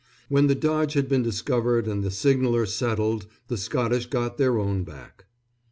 When the dodge had been discovered and the signaller settled the Scottish got their own back.